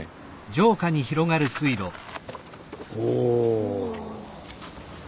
おお。